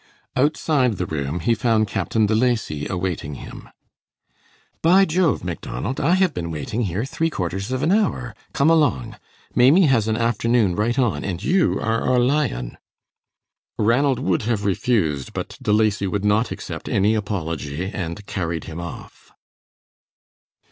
Outside the room, he found Captain De Lacy awaiting him. "By Jove, Macdonald, I have been waiting here three quarters of an hour. Come along. Maimie has an afternoon right on, and you are our lion." Ranald would have refused, but De Lacy would not accept any apology, and carried him off.